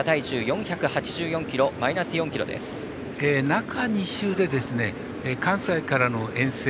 中２週で関西からの遠征。